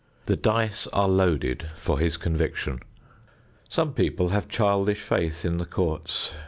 The dice are loaded for his conviction. Some people have childish faith in the courts.